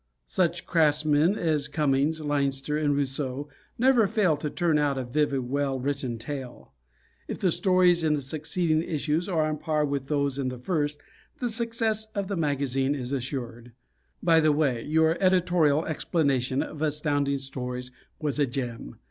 Such craftsmen as Cummings, Leinster and Rousseau never fail to turn out a vivid, well written tale. If the stories in the succeeding issues are on a par with those in the first, the success of the magazine is assured. By the way, your editorial explanation of Astounding Stories was a gem.